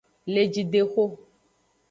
Lejidexo.